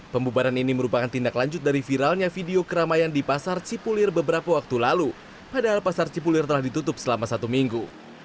pembubaran ini merupakan tindak lanjut dari viralnya video keramaian di pasar cipulir beberapa waktu lalu padahal pasar cipulir telah ditutup selama satu minggu